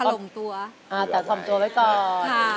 อ่าแต่ล่มตัวไว้ก่อน